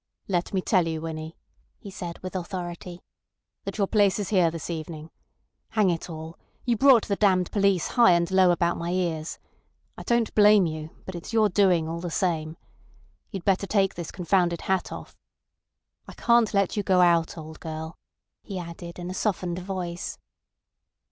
"Let me tell you, Winnie," he said with authority, "that your place is here this evening. Hang it all! you brought the damned police high and low about my ears. I don't blame you—but it's your doing all the same. You'd better take this confounded hat off. I can't let you go out, old girl," he added in a softened voice.